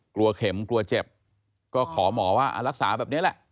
เข็มกลัวเจ็บก็ขอหมอว่ารักษาแบบนี้แหละ